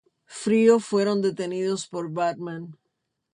Frío fueron detenidos por Batman.